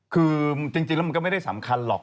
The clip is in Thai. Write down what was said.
คือจริงแล้วมันก็ไม่ได้สำคัญหรอก